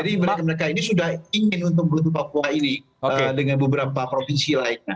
jadi mereka ini sudah ingin untuk melutut papua ini dengan beberapa provinsi lainnya